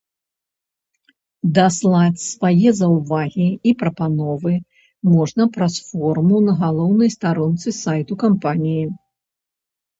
Даслаць свае заўвагі і прапановы можна праз форму на галоўнай старонцы сайту кампаніі.